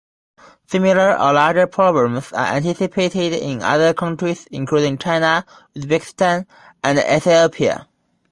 Similar or larger problems are anticipated in other countries including China, Uzbekistan, and Ethiopia.